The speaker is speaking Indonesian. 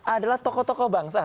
adalah tokoh tokoh bangsa